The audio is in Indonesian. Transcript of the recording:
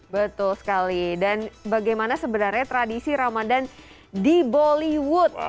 betul sekali dan bagaimana sebenarnya tradisi ramadan di bollywood